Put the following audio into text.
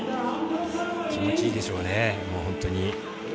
気持ちいいでしょうね。